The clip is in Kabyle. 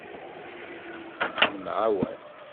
Nemɛawan.